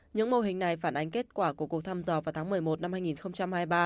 những mô hình này phản ánh kết quả của cuộc thăm dò vào tháng một mươi một năm hai nghìn hai mươi ba